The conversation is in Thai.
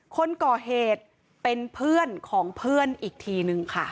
คนก่อเหตุเป็นเพื่อนของเพื่อนอีกทีนึงค่ะ